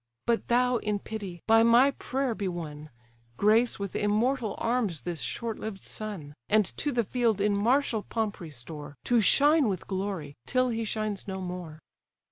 But thou, in pity, by my prayer be won: Grace with immortal arms this short lived son, And to the field in martial pomp restore, To shine with glory, till he shines no more!"